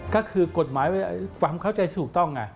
ก็คือกฎหมายความเข้าใจถูกต้องไง